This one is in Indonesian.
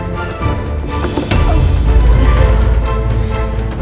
buildin dost yang hebat